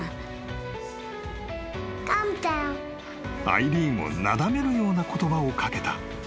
［アイリーンをなだめるような言葉を掛けた］